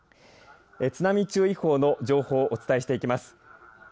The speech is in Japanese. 津波注意報の情報をお伝えします。